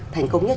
thành công nhất